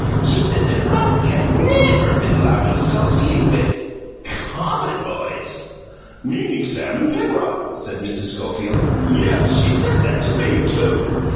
She said that Roderick had NEVER been allowed to associate with common boys " "Meaning Sam and Penrod," said Mrs. Schofield. "Yes, she said that to me, too."